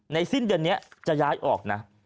สิ้นเดือนนี้จะย้ายออกนะ